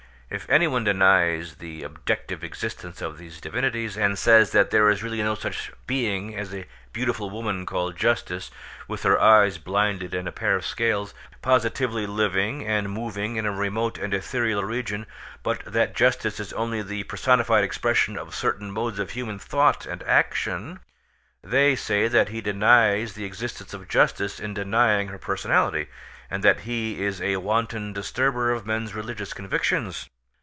If any one denies the objective existence of these divinities, and says that there is really no such being as a beautiful woman called Justice, with her eyes blinded and a pair of scales, positively living and moving in a remote and ethereal region, but that justice is only the personified expression of certain modes of human thought and action—they say that he denies the existence of justice in denying her personality, and that he is a wanton disturber of men's religious convictions.